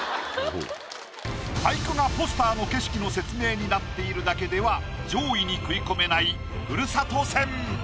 俳句がポスターの景色の説明になっているだけでは上位に食い込めないふるさと戦。